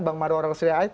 bang maru orang seria ait